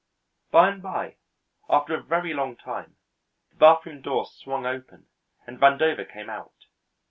By and by, after a very long time, the bathroom door swung open, and Vandover came out.